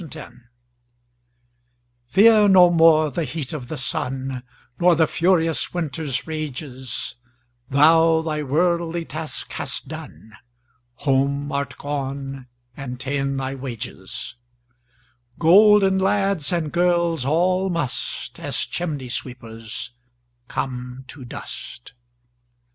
Fidele FEAR no more the heat o' the sunNor the furious winter's rages; Thou thy worldly task hast done, Home art gone and ta'en thy wages:Golden lads and girls all must, As chimney sweepers, come to dust.